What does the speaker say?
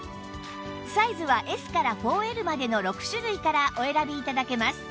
サイズは Ｓ から ４Ｌ までの６種類からお選び頂けます